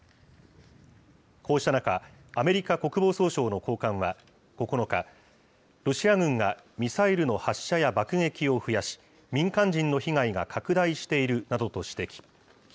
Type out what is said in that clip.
こうした中、アメリカ国防総省の高官は９日、ロシア軍がミサイルの発射や爆撃を増やし、民間人の被害が拡大しているなどと指摘。